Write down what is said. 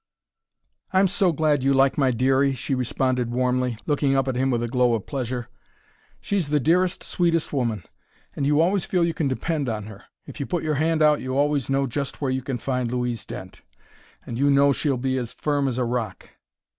"I'm so glad you like my Dearie!" she responded warmly, looking up at him with a glow of pleasure. "She's the dearest, sweetest woman! And you always feel you can depend on her. If you put your hand out you always know just where you can find Louise Dent, and you know she'll be as firm as a rock.